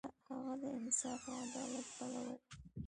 هغه د انصاف او عدالت پلوی و.